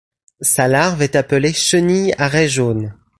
Sa larve est appelée Chenille à raies jaunes.